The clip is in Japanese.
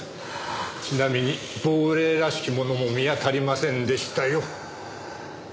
ちなみに亡霊らしきものも見当たりませんでしたよ。